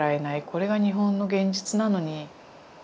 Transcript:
これが日本の現実なのに。